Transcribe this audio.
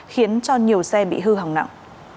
khiến cho nhiều xe bị hư hỏng nặng